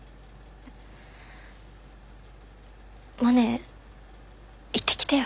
モネ行ってきてよ。